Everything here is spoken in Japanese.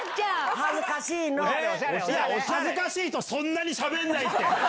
恥ずかしいと、そんなにしゃべんないって。